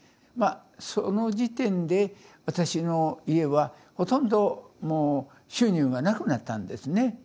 まあその時点で私の家はほとんどもう収入が無くなったんですね。